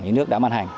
những nước đã bàn hành